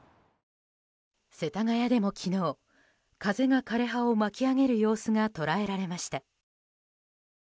世田谷でも、昨日風が枯れ葉を巻き上げる様子が捉えられました。